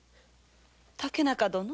竹中殿。